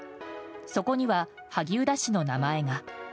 そこには萩生田氏の名前が。